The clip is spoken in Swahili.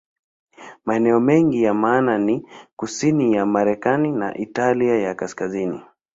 Maeneo mengine ya maana ni kusini ya Marekani na Italia ya Kaskazini.